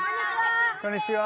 こんにちは。